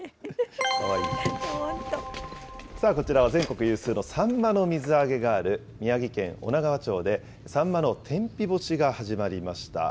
さあ、こちらは全国有数のサンマの水揚げがある宮城県女川町で、サンマの天日干しが始まりました。